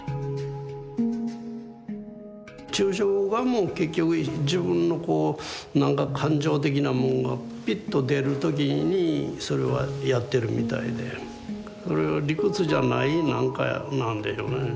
抽象画も結局自分のこうなんか感情的なもんがピッと出る時にそれはやってるみたいでそれは理屈じゃないなんかなんでしょうね。